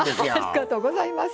ありがとうございます。